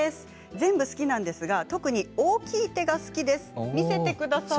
全部好きなんですが特に大きい手が好きです。